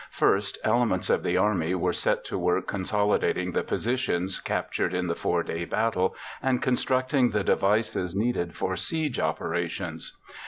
First, elements of the army were set to work consolidating the positions captured in the 4 day battle and constructing the devices needed for siege operations.